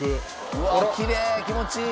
「うわっきれい気持ちいい」